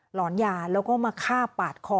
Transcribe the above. หอนยาแล้วก็มาฆ่าปาดคอ